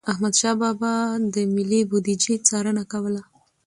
احمدشاه بابا به د ملي بوديجي څارنه کوله.